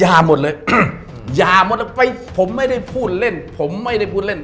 ยาหมดเลยยาหมดแล้วไปผมไม่ได้พูดเล่นผมไม่ได้พูดเล่น